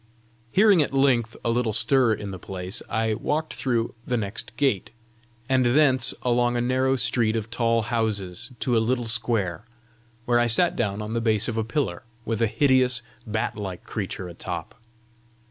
Hearing at length a little stir in the place, I walked through the next gate, and thence along a narrow street of tall houses to a little square, where I sat down on the base of a pillar with a hideous bat like creature atop.